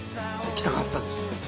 来たかったです。